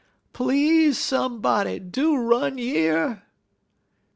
"'Please, somebody, do run yer!'